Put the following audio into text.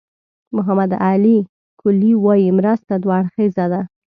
محمد علي کلي وایي مرسته دوه اړخیزه ده.